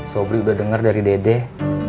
sobri sudah dengar dari dedeh